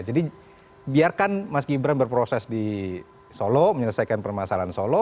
jadi biarkan mas gibran berproses di solo menyelesaikan permasalahan solo